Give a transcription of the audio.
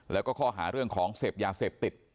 แล้วก็ข้อหาเรื่องของเสพยาเสพติด